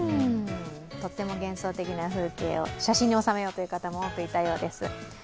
とっても幻想的な風景を写真に収めようという方も多くいたようです。